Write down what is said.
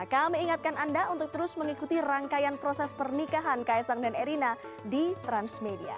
kami ingatkan anda untuk terus mengikuti rangkaian proses pernikahan kaisang dan erina di transmedia